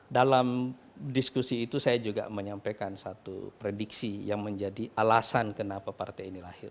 dalam diskusi itu saya juga menyampaikan satu prediksi yang menjadi alasan kenapa partai ini lahir